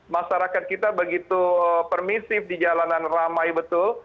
masyarakat kita begitu permisif di jalanan ramai betul